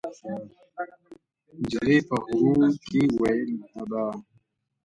نجلۍ په غريو کې وويل: ابا!